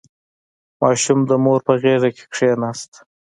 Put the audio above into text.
• ماشوم د مور په غېږ کښېناست.